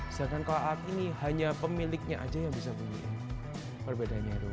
sedangkan kalau alat ini hanya pemiliknya aja yang bisa punya perbedaannya itu